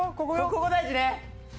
ここ大事ね。